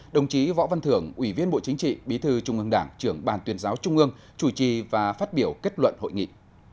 đồng chí võ văn thưởng ủy viên bộ chính trị bí thư trung ương đảng trưởng ban tuyên giáo trung ương chủ trì và phát biểu kết luận hội nghị